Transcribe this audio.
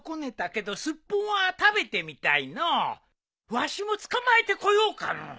わしも捕まえてこようかのう。